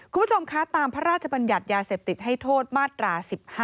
คุณผู้ชมคะตามพระราชบัญญัติยาเสพติดให้โทษมาตรา๑๕